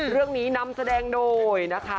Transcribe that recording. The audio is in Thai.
เรื่องนี้นำแสดงโดยนะคะ